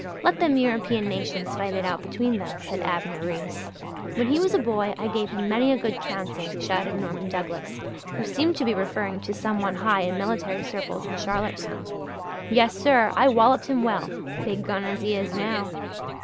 "Let them European nations fight it out between them," said Abner Reese. "When he was a boy I gave him many a good trouncing," shouted Norman Douglas, who seemed to be referring to some one high in military circles in Charlottetown. "Yes, sir, I walloped him well, big gun as he is now."